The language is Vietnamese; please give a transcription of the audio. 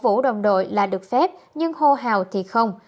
vũ đồng đội là được phép nhưng hô hào thì không